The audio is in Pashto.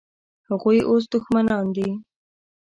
هغوی اوس دښمنان دي.